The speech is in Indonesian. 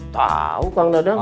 tau kang dadang